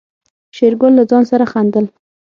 شېرګل له ځان سره خندل.